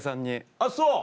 あっそう！